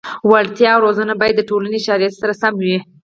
وړتیا او روزنه باید د ټولنې شرایطو سره سم وي.